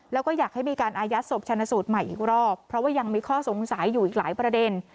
แล้วก็อยากให้มีการอายัดศพชนะสูตรใหม่อีกรอบเพราะว่ายังมีข้อสงสัยอยู่อีกหลายประเด็น